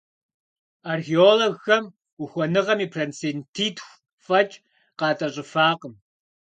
Археологхэм ухуэныгъэм и процентитху фӀэкӀ къатӏэщӏыфакъым.